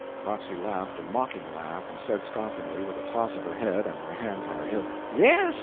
Roxy laughed a mocking laugh, and said scoffingly, with a toss of her head, and her hands on her hips "Yes!